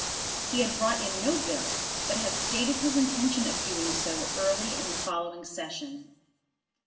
He had brought in no bill, but had stated his intention of doing so early in the following Session.